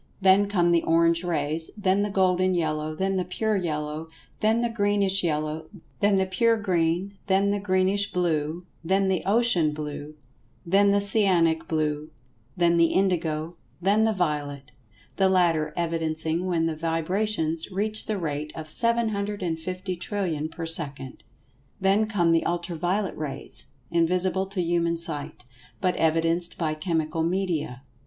Then come the orange rays, then the golden yellow, then the pure yellow, then the greenish yellow, then the pure green, then the greenish blue, then the ocean blue, then the cyanic blue, then the indigo, then the violet—the latter evidencing when the vibrations reach the rate of 750,000,000,000,000 per second. Then come the Ultra violet rays—invisible to human sight—but evidenced by chemical media.